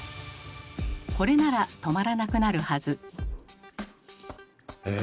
これなら止まらなくなるはず。え？